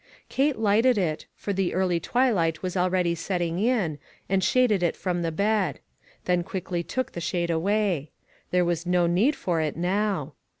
Kate lighted it, for the early twilight was already setting in, and shaded it from the bed ; then quickly took the shade away. There was no need for it now.